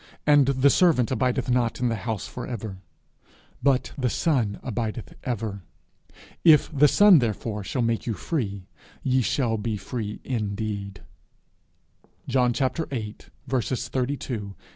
And the servant abideth not in the house for ever: but the Son abideth ever. If the Son therefore shall make you free, ye shall be free indeed._ John viii.